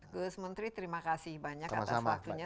gus menteri terima kasih banyak atas waktunya